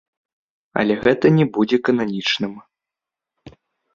Але гэта не будзе кананічным.